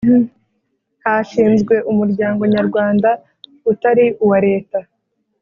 Hashinzwe umuryango nyarwanda utari uwa leta